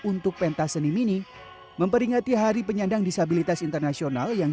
untuk pentas seni mini memperingati hari penyandang disabilitas internasional yang